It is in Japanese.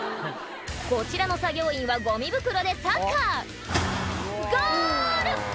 こちらの作業員はゴミ袋でサッカーゴール！